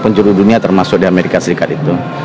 penjuru dunia termasuk di amerika serikat itu